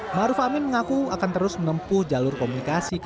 ⁇ maruf amin mengaku akan terus menempuh jalur komunikasi